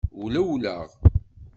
Wlawleɣ.